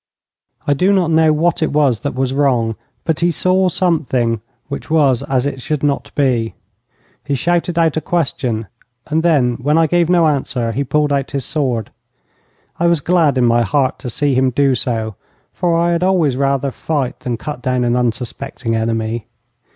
I do not know what it was that was wrong, but he saw something which was as it should not be. He shouted out a question, and then when I gave no answer he pulled out his sword. I was glad in my heart to see him do so, for I had always rather fight than cut down an unsuspecting enemy.